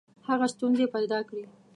هغه ستونزي پیدا کړې.